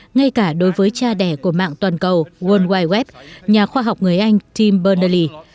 ngay cả đối với cha đẻ của mạng toàn cầu world wide web nhà khoa học người anh tim bernally